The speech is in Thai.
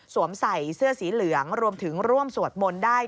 ใส่เสื้อสีเหลืองรวมถึงร่วมสวดมนต์ได้